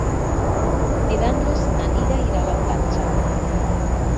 Divendres na Nina irà a la platja.